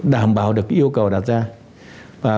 đảm bảo được yêu cầu đặt ra